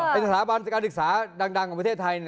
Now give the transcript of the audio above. เป็นสถาบันการศึกษาดังของประเทศไทย